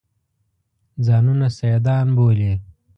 ځانونه سیدان بولي.